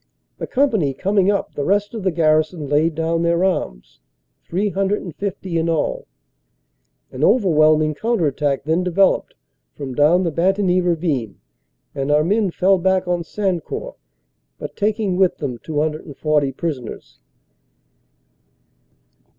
The com pany coming up the rest of the garrison laid down their arms. 248 CANADA S HUNDRED DAYS 350 in all. An overwhelming counter attack then developed from down the Bantigny Ravine and our men fell back on San court, but taking with them 240 prisoners.